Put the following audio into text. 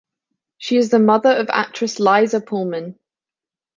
She is the mother of actress Liza Pulman.